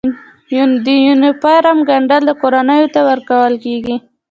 د یونیفورم ګنډل کورنیو ته ورکول کیږي؟